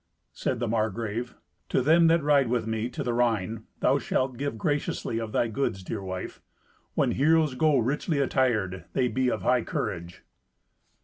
Said the Margrave, "To them that ride with me to the Rhine, thou shalt give graciously of thy goods, dear wife. When heroes go richly attired, they be of high courage."